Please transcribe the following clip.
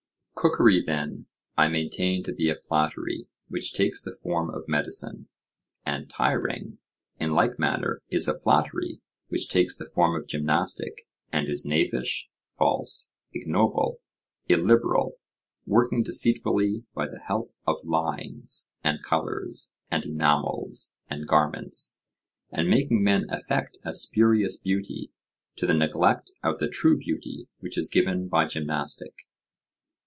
Cookery, then, I maintain to be a flattery which takes the form of medicine; and tiring, in like manner, is a flattery which takes the form of gymnastic, and is knavish, false, ignoble, illiberal, working deceitfully by the help of lines, and colours, and enamels, and garments, and making men affect a spurious beauty to the neglect of the true beauty which is given by gymnastic.